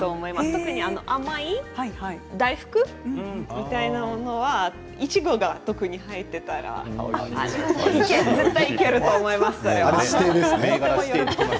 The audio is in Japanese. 特に甘い大福みたいなものはいちごが特に入っていたら絶対いけると思います。